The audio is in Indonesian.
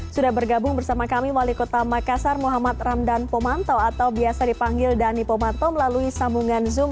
sudah bergabung bersama kami wali kota makassar muhammad ramdan pomanto atau biasa dipanggil dhani pomanto melalui sambungan zoom